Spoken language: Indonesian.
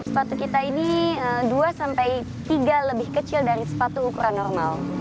sepatu kita ini dua sampai tiga lebih kecil dari sepatu ukuran normal